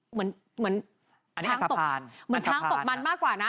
เหมือนช้างตกเหมือนช้างตกมันมากกว่านะ